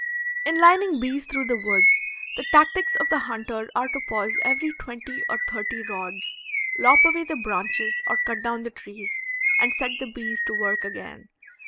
In lining bees through the woods, the tactics of the hunter are to pause every twenty or thirty rods, lop away the branches or cut down the trees, and set the bees to work again.